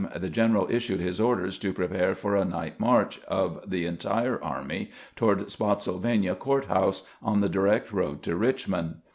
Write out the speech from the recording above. the general issued his orders to prepare for a night march of the entire army toward Spottsylvania Court house, on the direct road to Richmond.